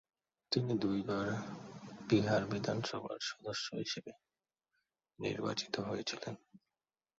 তিনি দুইবার বিহার বিধানসভার সদস্য হিসেবে নির্বাচিত হয়েছিলেন।